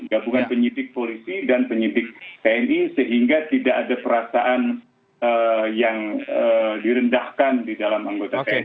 gabungan penyidik polisi dan penyidik tni sehingga tidak ada perasaan yang direndahkan di dalam anggota tni